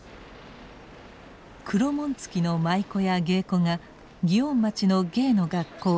黒紋付きの舞妓や芸妓が祇園町の芸の学校